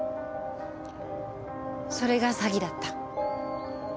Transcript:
それが詐欺だった。